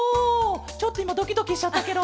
ちょっといまドキドキしちゃったケロ。